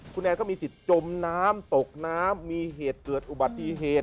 คุณแอนก็มีสิทธิ์จมน้ำตกน้ำมีเหตุเกิดอุบัติเหตุ